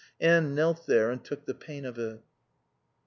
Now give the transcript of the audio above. Anne knelt there and took the pain of it.